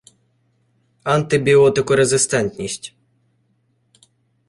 антибіотикорезистентність